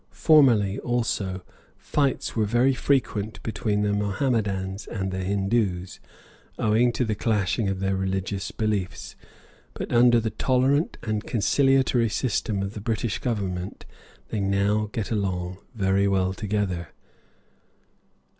Formerly, also, fights were very frequent between the Mohammedans and Hindoos, owing to the clashing of their religious beliefs, but under the tolerant and conciliatory system of the British Government they now get along very well together.